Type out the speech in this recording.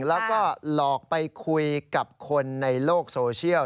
แล้วก็หลอกไปคุยกับคนในโลกโซเชียล